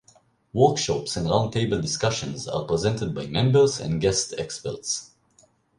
Workshops and roundtable discussions are presented by members and guest experts.